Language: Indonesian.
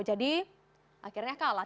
jadi akhirnya kalah